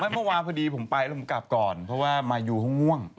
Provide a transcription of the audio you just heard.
เมื่อวานพอดีผมไปแล้วผมกลับก่อนเพราะว่ามายูเขาง่วง